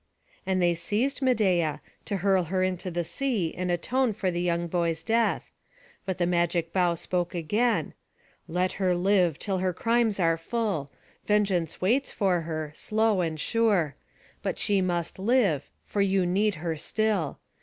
And they seized Medeia, to hurl her into the sea and atone for the young boy's death; but the magic bough spoke again: "Let her live till her crimes are full. Vengeance waits for her, slow and sure; but she must live, for you need her still.